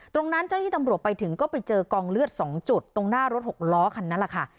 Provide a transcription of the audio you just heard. เจ้าหน้าที่ตำรวจไปถึงก็ไปเจอกองเลือด๒จุดตรงหน้ารถหกล้อคันนั้นแหละค่ะ